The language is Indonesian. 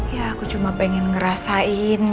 ya aku cuma pengen ngerasain